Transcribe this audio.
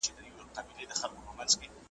ځکه نو خپل لاسونه په رنګونو ولړي `